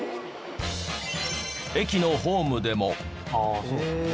駅のホームでも。